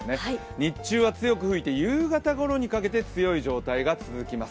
日中は強く吹いて夕方ごろにかけて強い状態が続きます。